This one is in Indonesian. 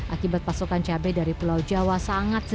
akibat pasokan cabai dari pulau jawa sangat terbatas